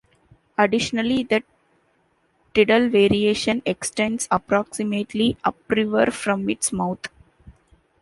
Additionally, the tidal variation extends approximately upriver from its mouth.